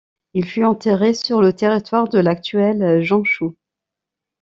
Il fut enterré sur le territoire de l'actuelle Zhangqiu.